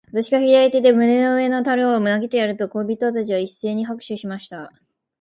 私が左手で胸の上の樽を投げてやると、小人たちは一せいに拍手しました。